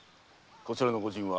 こちらの御仁は。